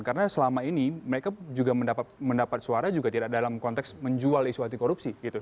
karena selama ini mereka juga mendapat suara juga tidak dalam konteks menjual isu anti korupsi gitu